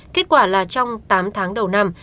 kết quả là trong tám tháng đầu năm